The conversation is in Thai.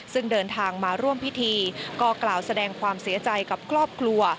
ซึ่งเดินทางมาร่วมพิธีก็กล่าวแสดงความเสียใจกับครอบครัว